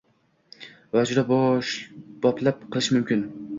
Va juda boplab qilishi mumkin